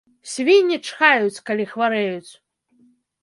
Свінні чхаюць, калі хварэюць!